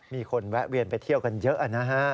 มีคนแวะเวียนไปเที่ยวกันเยอะนะฮะ